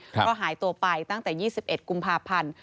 ก็หายตัวไปตั้งแต่๒๑กุมภาพันธ์